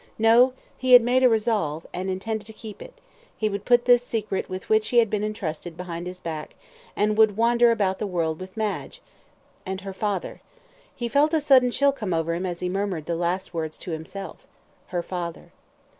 No! He had made a resolve, and intended to keep it; he would put this secret with which he had been entrusted behind his back, and would wander about the world with Madge and her father. He felt a sudden chill come over him as he murmured the last words to himself "her father."